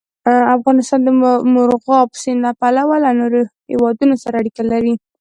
افغانستان د مورغاب سیند له پلوه له نورو هېوادونو سره اړیکې لري.